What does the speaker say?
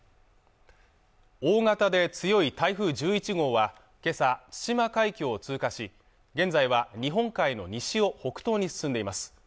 大型で強い台風１１号はけさ対馬海峡を通過し現在は日本海の西を北東に進んでいます